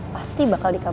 pasti bakal dikatakan